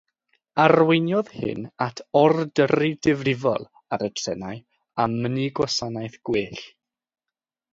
Arweiniodd hyn at ordyrru difrifol ar y trenau a mynnu gwasanaeth gwell.